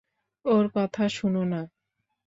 ওর কথা শুনো না।